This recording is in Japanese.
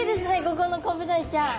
ここのコブダイちゃん。